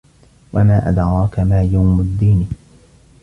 وَما أَدراكَ ما يَومُ الدّينِ